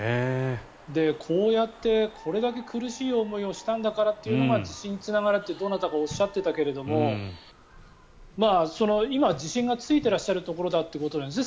こうやってこれだけ苦しい思いをしたんだからというのが自信につながるってどなたかおっしゃっていたけど今、自信がついていらっしゃるということなんですね。